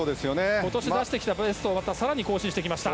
今年出してきたベストを更に更新してきました。